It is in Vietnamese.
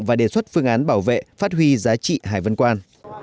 và đề xuất phương án bảo vệ phát huy giá trị hải vân quan